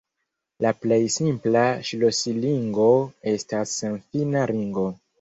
La plej simpla ŝlosilingo estas senfina ringo.